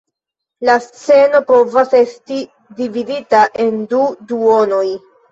La sceno povas esti dividita en du duonoj.